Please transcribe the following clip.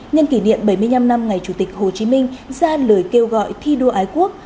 nhân kỷ niệm bảy mươi năm năm ngày chủ tịch hồ chí minh ra lời kêu gọi thi đua ái quốc